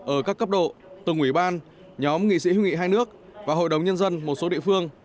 ở các cấp độ từng ủy ban nhóm nghị sĩ hữu nghị hai nước và hội đồng nhân dân một số địa phương